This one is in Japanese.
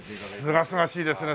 すがすがしいですね